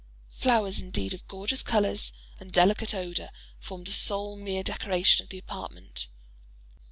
Flowers, indeed, of gorgeous colours and delicate odour formed the sole mere decoration of the apartment.